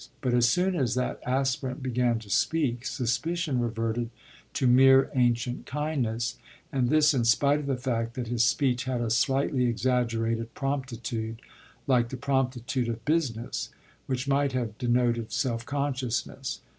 But as soon as that aspirant began to speak suspicion reverted to mere ancient kindness, and this in spite of the fact that his speech had a slightly exaggerated promptitude, like the promptitude of business, which might have denoted self consciousness.